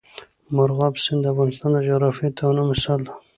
مورغاب سیند د افغانستان د جغرافیوي تنوع مثال دی.